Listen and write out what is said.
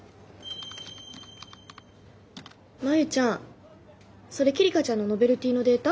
真夕ちゃんそれ希梨香ちゃんのノベルティのデータ？